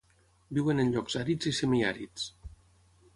Viuen en llocs àrids i semiàrids.